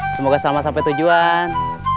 semoga selamat sampai tujuan